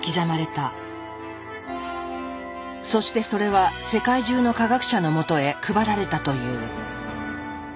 そしてそれは世界中の科学者のもとへ配られたという。